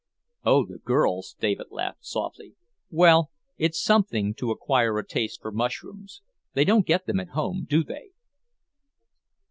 "Oh, the girls " David laughed softly. "Well, it's something to acquire a taste for mushrooms. They don't get them at home, do they?"